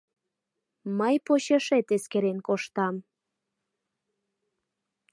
— Мый почешет эскерен коштам...